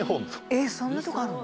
えっそんなとこあるの？